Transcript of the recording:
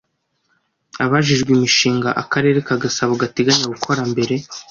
Abajijwe imishinga Akarere ka Gasabo gateganya gukora mbere